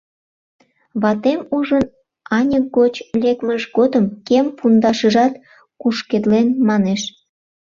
Ватем ужын, аньык гоч лекмыж годым кем пундашыжат кушкедлен манеш.